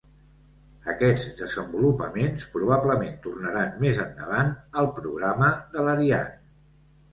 Aquests desenvolupaments probablement tornaran més endavant al programa de l'Ariane.